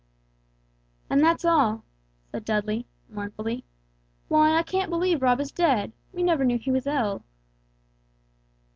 "And that's all," said Dudley, mournfully; "why, I can't believe Rob is dead we never knew he was ill."